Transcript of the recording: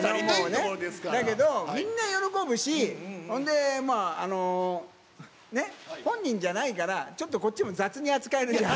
だけど、みんな喜ぶし、ほんで、ね、本人じゃないから、ちょっとこっちも雑に扱えるじゃない。